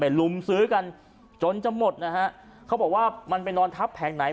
ลุมซื้อกันจนจะหมดนะฮะเขาบอกว่ามันไปนอนทับแผงไหน